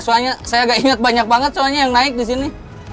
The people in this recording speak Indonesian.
saya gak inget banyak banget soalnya yang naik disini